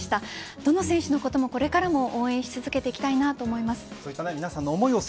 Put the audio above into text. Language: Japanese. どの選手のこともこれからも応援し続けていきたいと思います。